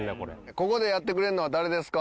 ここでやってくれるのは誰ですか？